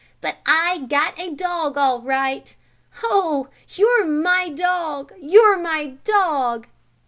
But I got a dog all right. Oh, you're my dog! You're my dog!"